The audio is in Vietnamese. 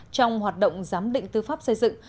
trong hoạt động giám định tư pháp xây dựng